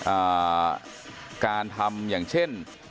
อ่าการทำอย่างเช่น